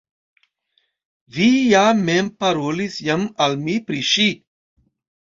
Vi ja mem parolis jam al mi pri ŝi!